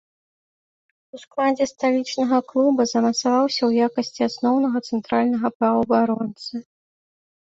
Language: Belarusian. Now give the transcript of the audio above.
У складзе сталічнага клуба замацаваўся ў якасці асноўнага цэнтральнага паўабаронцы.